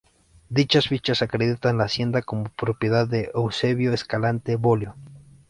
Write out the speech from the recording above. Dichas fichas acreditan la hacienda como propiedad de Eusebio Escalante Bolio.